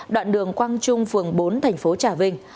đoạn đường quang trung phường bốn thành phố trà vinh